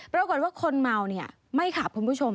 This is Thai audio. เราก่อนว่าคนเมาไม่ขับคุณผู้ชม